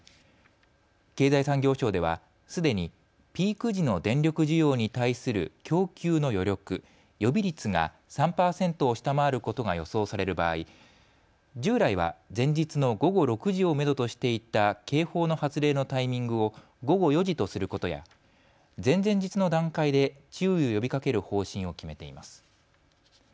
経済産業省ではすでにピーク時の電力需要に対する供給の余力・予備率が３％を下回ることが予想される場合、従来は前日の午後６時をめどとしていた警報の発令のタイミングを午後４時とすることや前々日の段階で注意を呼びかける方針を決めています。